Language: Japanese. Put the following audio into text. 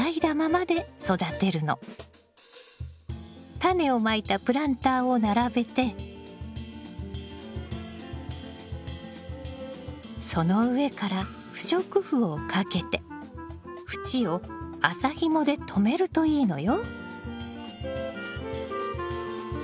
タネをまいたプランターを並べてその上から不織布をかけて縁を麻ひもでとめるといいのよ。